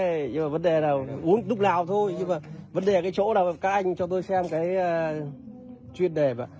đấy nhưng mà vấn đề là uống lúc nào thôi nhưng mà vấn đề là cái chỗ nào các anh cho tôi xem cái chuyên đề vậy